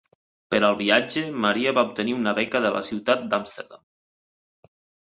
Per al viatge, Maria va obtenir una beca de la ciutat d'Amsterdam.